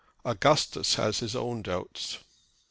AUGUSTUS HAS HIS OWN DOUBTS.